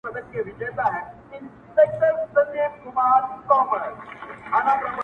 نوښت او زړښت نه سره جوړیږي